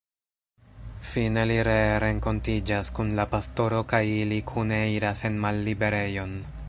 Fine li ree renkontiĝas kun la pastoro kaj ili kune iras en malliberejon.